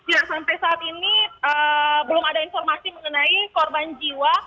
ya sampai saat ini belum ada informasi mengenai korban jiwa